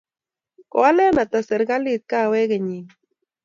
Koalee ata serikalit kahawek kennynni